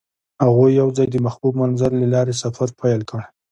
هغوی یوځای د محبوب منظر له لارې سفر پیل کړ.